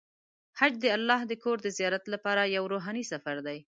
حج د الله د کور د زیارت لپاره یو روحاني سفر دی.